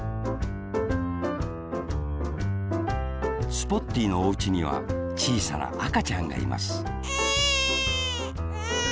スポッティーのおうちにはちいさなあかちゃんがいますエンエン。